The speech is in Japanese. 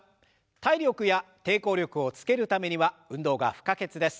体力や抵抗力をつけるためには運動が不可欠です。